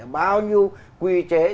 bao nhiêu quy chế